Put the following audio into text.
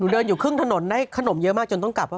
เดินอยู่ครึ่งถนนได้ขนมเยอะมากจนต้องกลับว่า